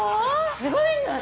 すごいのよ